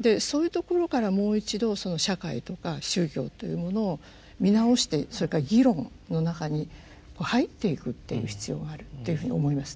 でそういうところからもう一度社会とか宗教っていうものを見直してそれから議論の中に入っていくっていう必要があるっていうふうに思いますね。